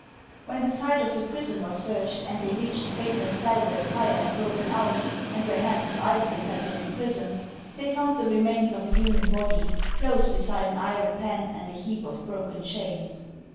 When the site of the prison war> searched, and they reached the fatal cell where the fire had broken out, and where Hans of Iceland had been imprisoned, they found the remains of a human body close beside an iron pan and a heap of broken chains.